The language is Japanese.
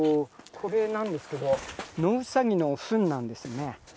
これなんですけどノウサギのフンなんですね。